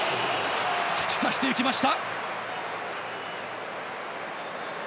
突き刺していきました。